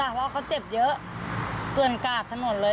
เพราะว่าเขาเจ็บเยอะเกลือนกาดถนนเลย